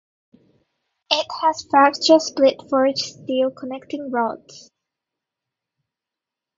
It has fracture-split forged steel connecting rods.